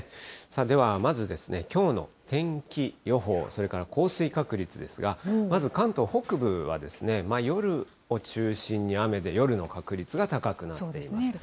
ではまずですね、きょうの天気予報、それから降水確率ですが、まず関東北部は夜を中心に雨で、夜の確率が高くなっています。